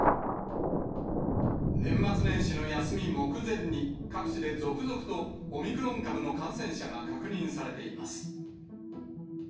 年末年始の休み目前に、各地で続々とオミクロン株の感染者が確認されています。